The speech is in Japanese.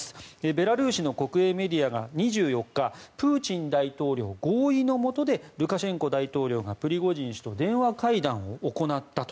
ベラルーシの国営メディアが２４日プーチン大統領合意のもとでルカシェンコ大統領がプリゴジン氏と電話会談を行ったと。